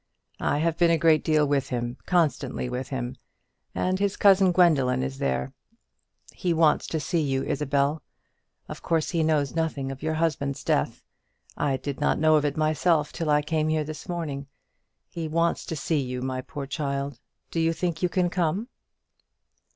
I have been a great deal with him constantly with him; and his cousin Gwendoline is there. He wants to see you, Isabel; of course he knows nothing of your husband's death; I did not know of it myself till I came here this morning. He wants to see you, my poor child. Do you think you can come?"